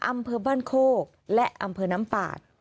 อำเภอบ้านโคกและอำเภอน้ำปาก